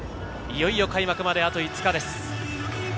いよいよ開幕まであと５日です。